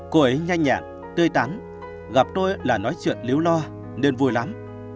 cô ấy nhanh nhạn tươi tắn gặp tôi là nói chuyện liếu lo nên vui lắm